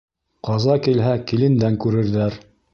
Ҡаза килһә, килендән күрерҙәр.